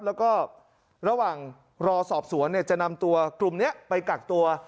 แล้วก็ระหว่างรอสอบสวนจะนำตัวกลุ่มนี้ไปกักตัว